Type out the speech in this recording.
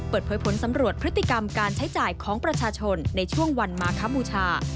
เปิดเผยผลสำรวจพฤติกรรมการใช้จ่ายของประชาชนในช่วงวันมาคบูชา